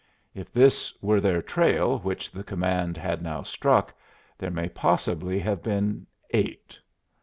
If this were their trail which the command had now struck, there may possibly have been eight.